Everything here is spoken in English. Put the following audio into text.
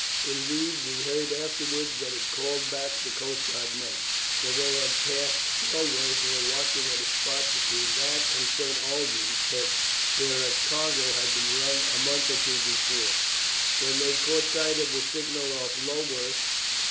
Indeed, we heard afterwards that it called back the coast guard men, for they had passed Lulworth and were watching at a spot between that and St. Alban's Head, where a cargo had been run a month or two before, when they caught sight of the signal off Lulworth.